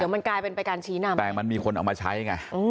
มันกลายเป็นไปการชี้นำแต่มันมีคนเอามาใช้ไง